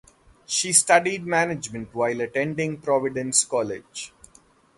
She studied management while attending Providence College.